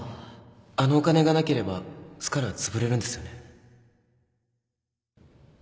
あのお金がなければスカルはつぶれるんですよね？